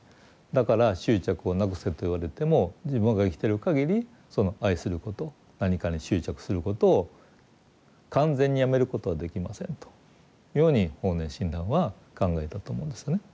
だから執着をなくせと言われても自分が生きてるかぎりその愛すること何かに執着することを完全にやめることはできませんというように法然親鸞は考えたと思うんですよね。